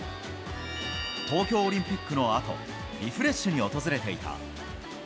東京オリンピックのあと、リフレッシュに訪れていた。